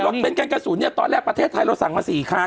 วันนี้รถเบนต์กันกระสุนตอนแรกประเทศไทยเราสั่งมา๔คัน